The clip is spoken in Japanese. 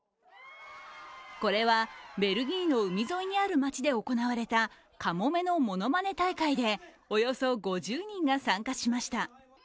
これは、ベルギーの海沿いにある街で行われたかもめのものまね大会でおよそ５０人が参加しました。